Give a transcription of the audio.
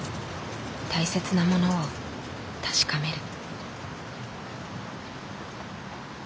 大切なものを確かめる。